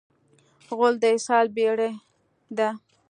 غول د اسهال بېړۍ ده.